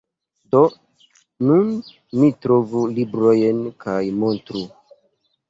Do, nun mi trovu librojn kaj montru.